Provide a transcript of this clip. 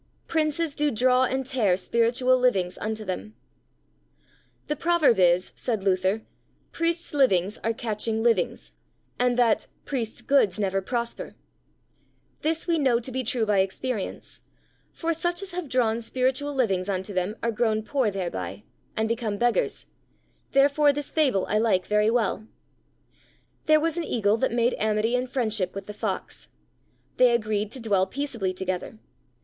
Princes do draw and tear Spiritual Livings unto them. The proverb is, said Luther, "Priests' livings are catching livings," and that "Priests' goods never prosper." This we know to be true by experience, for such as have drawn spiritual livings unto them are grown poor thereby, and become beggars, therefore this Fable I like very well: There was an Eagle that made amity and friendship with the Fox; they agreed to dwell peaceably together.